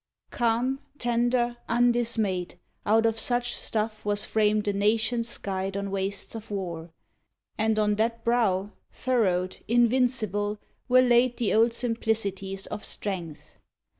Calm, tender, undismayed, out of such stuff Was framed a nation s guide on wastes of war, And on that brow, furrowed, invincible, ON A PORTRAIT OF LINCOLN Were laid the old simplicities of strength.